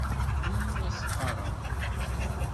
Yiwen ur as-ɣɣareɣ.